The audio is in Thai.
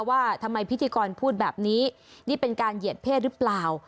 ว่าทำไมพิธีกรพูดแบบนี้นี่เป็นการเหยียดเพศหรือเปล่า